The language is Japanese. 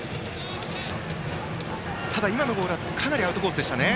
ただ、今のボールはかなりアウトコースでした。